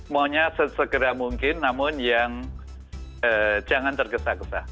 maunya sesegera mungkin namun yang jangan tergesa gesa